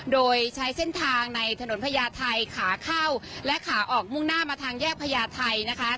โดยใช้เส้นทางในถนนพญาไทยขาเข้าและขาออกมุ่งหน้ามาทางแยกพญาไทยนะคะ